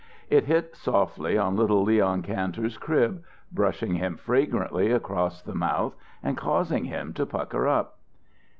It hit softly on little Leon Kantor's crib, brushing him fragrantly across the mouth and causing him to pucker up.